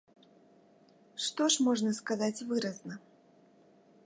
Што ж можна сказаць выразна?